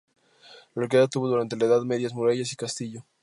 La localidad tuvo durante la edad media murallas y castillo.